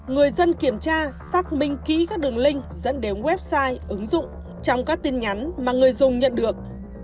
người dân kiểm tra xác minh kỹ các đường link dẫn đến website ứng dụng trong các tin nhắn mà người dùng nhận được